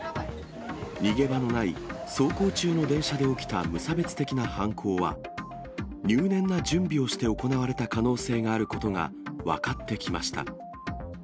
逃げ場のない走行中の電車で起きた無差別的な犯行は、入念な準備をして行われた可能性があることが分かってきました。